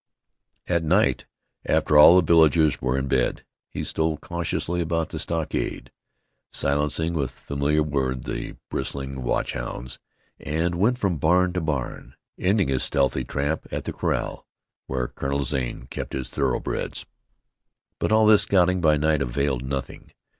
At night, after all the villagers were in bed, he stole cautiously about the stockade, silencing with familiar word the bristling watch hounds, and went from barn to barn, ending his stealthy tramp at the corral where Colonel Zane kept his thoroughbreds. But all this scouting by night availed nothing.